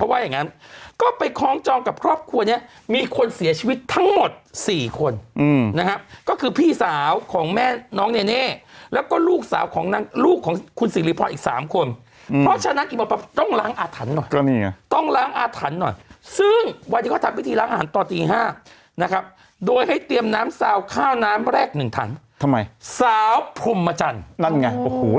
หมอปลาเหมือนกะโหลกเหรอเถอะก็นั่งอย่างหมอปลาบอกกะโหลก